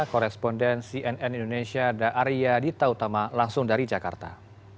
koresponden cnn indonesia arya dita utama langsung dari jakarta